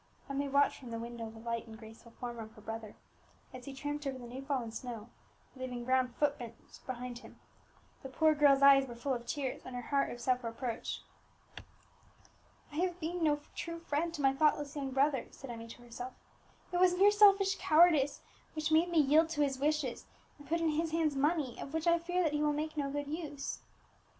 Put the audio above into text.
Emmie watched from the window the light and graceful form of her brother, as he tramped over the new fallen snow, leaving brown footprints behind him. The poor girl's eyes were full of tears, and her heart of self reproach. "I have been no true friend to my thoughtless young brother," said Emmie to herself; "it was mere selfish cowardice which made me yield to his wishes, and put in his hands money of which I fear that he will make no good use."